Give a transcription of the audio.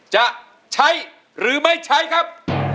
จะใช้หรือไม่ใช้ครับ